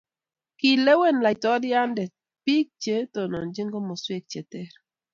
kilewen laitoriande biik che tononchini komoswek che ter